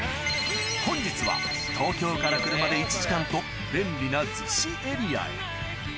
本日は東京から車で１時間と便利な子エリアへ